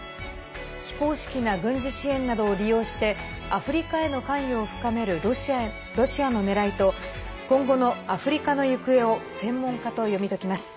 非公式な軍事支援などを利用してアフリカへの関与を深めるロシアのねらいと今後のアフリカの行方を専門家と読み解きます。